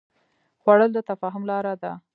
خوړل د تفاهم لاره ده